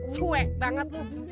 suek banget lu